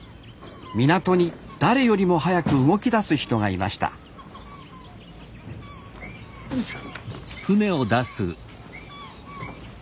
港に誰よりも早く動きだす人がいましたおいしょ。